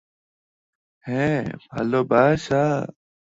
হ্যাঁ, ভালোবাসা।